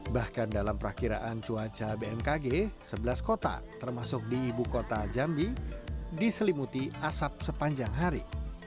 bahkan dalam perakiraan cuaca bmkg sebelas kota termasuk di ibu kota jambi diselimuti asap sepanjang hari